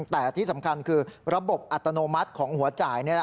แต่ที่สำคัญคือระบบอัตโนมัติของหัวจ่าย